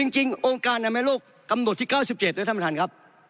จริงองค์การอนามัยโลกกำหนดที่๙๗นะท่านประธานครับ